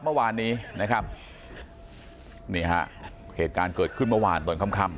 เมื่อวานนี้นะครับนี่ฮะเหตุการณ์เกิดขึ้นเมื่อวานตอนค่ำค่ำ